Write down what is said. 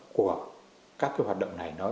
của các hoạt động này